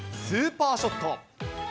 スーパーショット。